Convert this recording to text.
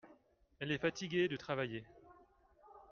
Elle est fatiguée de travailler.